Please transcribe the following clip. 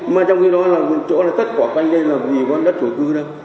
mà trong khi đó là một chỗ là tất quả quanh đây là vì con đất thổ cư đâu